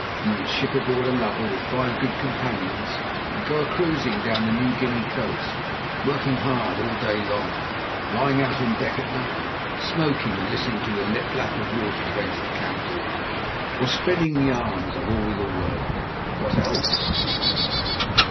Would you ship aboard a lugger with five good companions, and go a cruising down the New Guinea coast, working hard all day long, and lying out on deck at night, smoking and listening to the lip lap of the water against the counter, or spinning yarns of all the world?" "What else?"